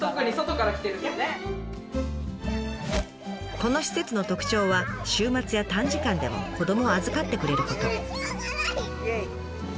この施設の特徴は週末や短時間でも子どもを預かってくれること。